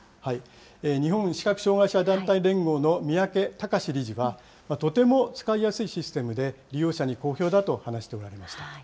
日本視覚障害者団体連合の三宅隆理事は、とても使いやすいシステムで、利用者に好評だと話しておられました。